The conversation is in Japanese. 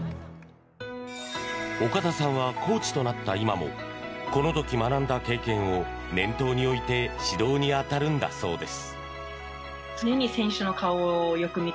岡田さんはコーチとなった今もこの時学んだ経験を念頭に置いて指導に当たるんだそうです。